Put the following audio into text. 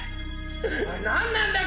おい何なんだよ